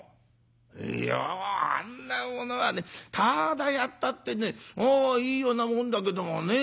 「いやあんなものはねタダでやったってねいいようなもんだけどもね。